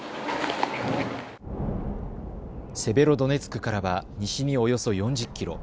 セベロドネツクからは西におよそ４０キロ。